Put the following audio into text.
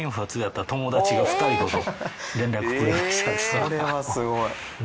それはすごい。